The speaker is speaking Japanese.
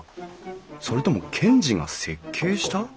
それとも賢治が設計した？